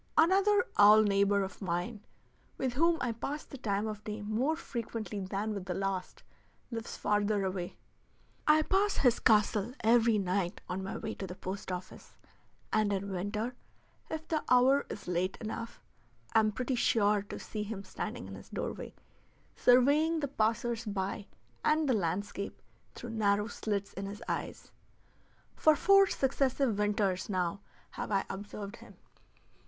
Another owl neighbor of mine, with whom I pass the time of day more frequently than with the last, lives farther away. I pass his castle every night on my way to the post office, and in winter, if the hour is late enough, am pretty sure to see him standing in his doorway, surveying the passers by and the landscape through narrow slits in his eyes. For four successive winters now have I observed him.